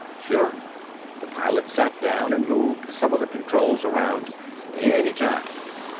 "Sure." The Pilot sat down and moved some of the controls around. "Anytime."